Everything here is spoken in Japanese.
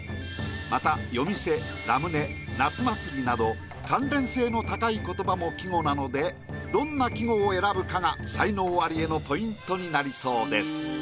また「夜店」「ラムネ」「夏祭」など関連性の高い言葉も季語なのでどんな季語を選ぶかが才能アリへのポイントになりそうです。